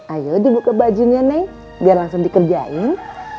ayo dibuka bajunya nih biar langsung dikerjain